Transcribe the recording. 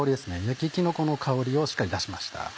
焼ききのこの香りをしっかり出しました。